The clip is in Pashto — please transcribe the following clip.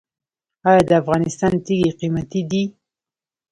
آیا د افغانستان تیږې قیمتي دي؟